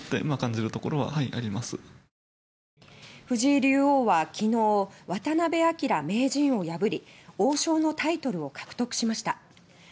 藤井竜王はきのう渡辺明名人を破り王将のタイトルを獲得しました。